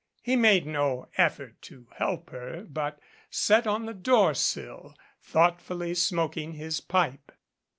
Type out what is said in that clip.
He made no effort to help her, but sat on the door sill, thoughtfully smoking his pipe.